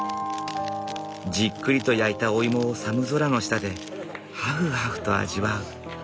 じっくりと焼いたお芋を寒空の下でハフハフと味わう。